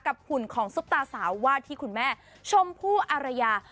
หุ่นของซุปตาสาวว่าที่คุณแม่ชมพู่อารยา